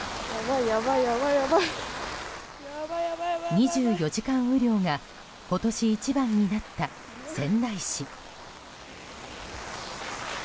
２４時間雨量が今年一番になった、仙台市。